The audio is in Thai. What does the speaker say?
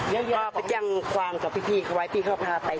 พี่ก็ไปแจ้งความว่าพี่คนไทย